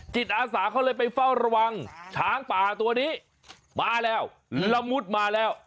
จิตอาสาเขาเลยไปเฝ้าระวังช้างป่าตัวนี้มาแล้วละมุดมาแล้ว